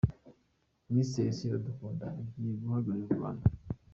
Miss Elsa Iradukunda ugiye guhagararira u Rwanda.